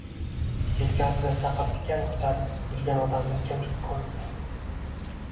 Yelkasida chaqirtikan ko‘tarib yurgan odamni kim ko‘ribdi?